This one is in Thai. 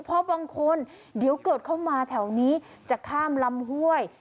เพราะบางคนเดี๋ยวเกิดเข้ามาแถวนี้จะข้ามลำห้วย